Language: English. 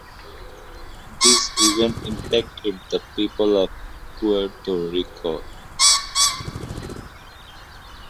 This event impacted the people of Puerto Rico.